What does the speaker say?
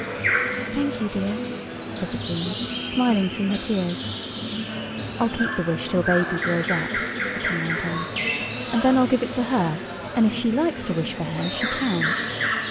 "Thank you, dear," said the Queen, smiling through her tears. "I'll keep the wish till baby grows up," the King went on. "And then I'll give it to her, and if she likes to wish for hair she can."